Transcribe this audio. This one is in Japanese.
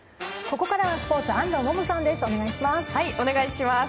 ここからはスポーツ安藤萌々さんです。